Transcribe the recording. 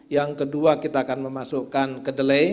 yang kedua kita akan memasukkan kedelai